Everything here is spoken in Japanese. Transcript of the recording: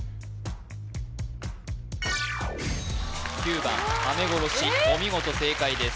９番はめごろしお見事正解ですえっ？